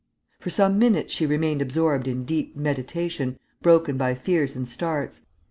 For some minutes she remained absorbed in deep meditation, broken by fears and starts.